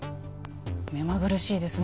目まぐるしいですね